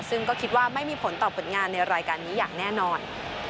ซึ่งก็คิดว่าไม่มีผลต่อผลงานในรายการนี้อย่างแน่นอน